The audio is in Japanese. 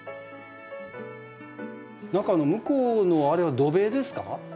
何か向こうのあれは土塀ですか？